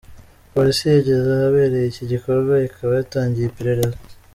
Polisi yageze ahabereye iki gikorwa ikaba yatangiye iperereza.